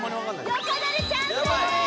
横取りチャンスです！